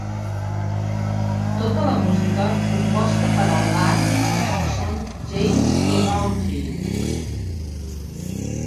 Tota la música composta per Albarn, Coxon, James i Rowntree.